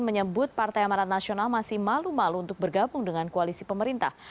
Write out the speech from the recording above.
menyebut partai amarat nasional masih malu malu untuk bergabung dengan koalisi pemerintah